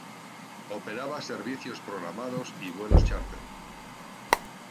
Operaba servicios programados y vuelos chárter.